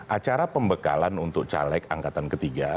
acara pembekalan untuk caleg angkatan ketiga